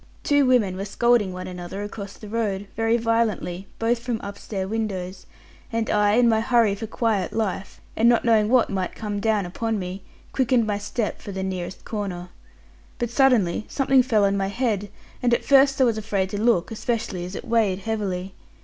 Two women were scolding one another across the road, very violently, both from upstair windows; and I in my hurry for quiet life, and not knowing what might come down upon me, quickened my step for the nearest corner. But suddenly something fell on my head; and at first I was afraid to look, especially as it weighed heavily.